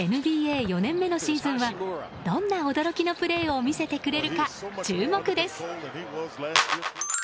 ＮＢＡ４年目のシーズンはどんな驚きのプレーを見せてくれるか注目です。